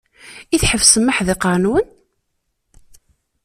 I tḥebsem aḥdiqer-nwen?